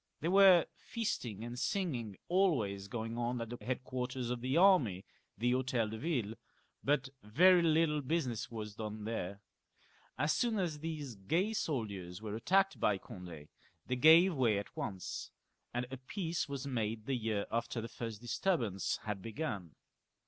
There were feasting and singing always going on at the headquarters of the army, the Hotel de Yille, but very little business was done there. As soon as these gay soldiers were attacked by Cond^, they gave way at once ; and a peace was made the 334 LOUIS XIV. [CH. year after the first disturbance had begun.